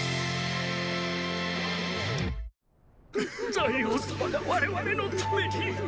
大王様が我々のために。